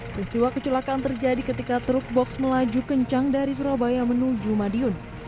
peristiwa kecelakaan terjadi ketika truk box melaju kencang dari surabaya menuju madiun